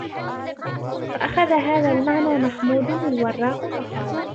فَأَخَذَ هَذَا الْمَعْنَى مَحْمُودٌ الْوَرَّاقُ فَقَالَ